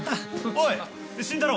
おい新太郎。